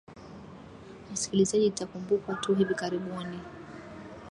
msikilizaji itakumbukwa tu hivi karibuni